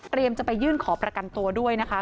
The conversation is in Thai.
จะไปยื่นขอประกันตัวด้วยนะคะ